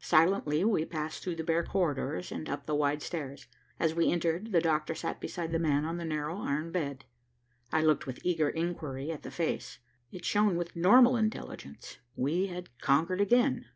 Silently we passed through the bare corridors and up the wide stairs. As we entered, the doctor sat beside the man on the narrow iron bed. I looked with eager inquiry at the face. It shone with normal intelligence. We had conquered again.